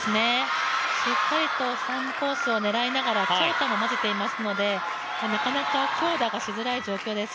しっかりと３コースを狙いながら長短も混ぜていますのでなかなか強打がしづらい状態です。